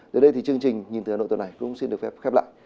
đến đây thì chương trình nhìn từ hà nội tuần này cũng xin được phép khép lại